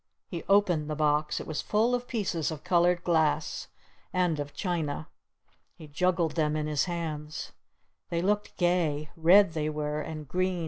He opened the box. It was full of pieces of colored glass! And of china! He juggled them in his hands. They looked gay. Red they were! And green!